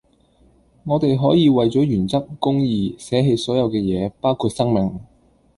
我地可以為左原則公義捨棄所有既野包括生命